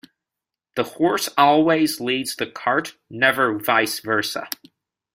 The horse always leads the cart, never vice versa.